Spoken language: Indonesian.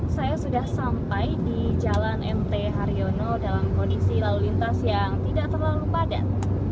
saya sudah sampai di jalan mt haryono dalam kondisi lalu lintas yang tidak terlalu padat